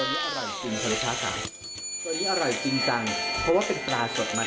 มาคิดเอ้ามา